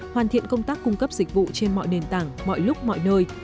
hoàn thiện công tác cung cấp dịch vụ trên mọi nền tảng mọi lúc mọi nơi